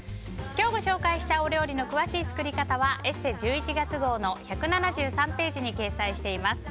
今日ご紹介したお料理の詳しい作り方は「ＥＳＳＥ」１１月号の１７３ページに掲載しています。